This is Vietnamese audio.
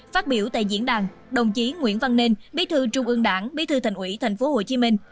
phát biểu tại diễn đàn đồng chí nguyễn văn nên bí thư trung ương đảng bí thư thành ủy thành phố hồ chí minh